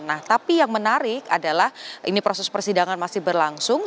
nah tapi yang menarik adalah ini proses persidangan masih berlangsung